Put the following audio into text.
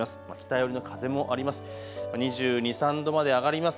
北寄りの風もあります。